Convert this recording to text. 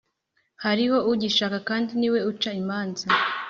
hariho Ugishaka kandi ni we uca imanza